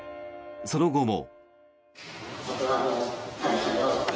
その後も。